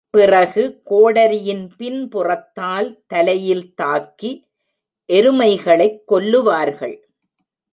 பிறகு கோடரியின் பின்புறத்தால் தலையில் தாக்கி, எருமைகளைக் கொல்லுவார்கள்.